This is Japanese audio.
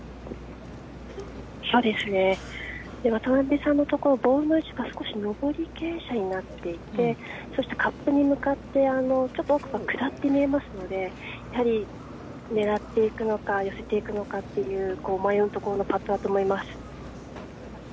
そうですね、渡邉さんのところ、ボールの位置が少し上り傾斜になっていて、カップに向かって奥が下って見えますのでやはり狙っていくのか、寄せていくのかっていう、迷うところのパットだと思います。